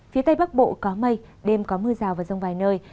phía tây bắc bộ có mây đêm có mưa rào và rông vài nơi